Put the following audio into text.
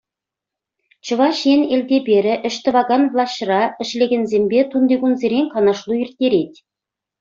Чӑваш Ен Элтеперӗ ӗҫ тӑвакан влаҫра ӗҫлекенсемпе тунтикунсерен канашлу ирттерет.